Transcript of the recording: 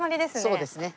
そうですね。